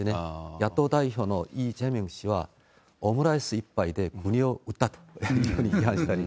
野党代表のイ・ジェミョン氏は、オムライス１杯で国を売ったっていうふうに批判したり。